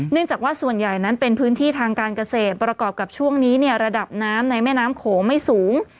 จากว่าส่วนใหญ่นั้นเป็นพื้นที่ทางการเกษตรประกอบกับช่วงนี้เนี่ยระดับน้ำในแม่น้ำโขงไม่สูง